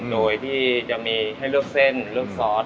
โดยที่จะมีให้เลือกเส้นเลือกซอส